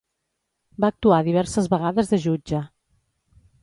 Va actuar diverses vegades de jutge.